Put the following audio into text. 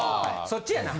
そっちやな。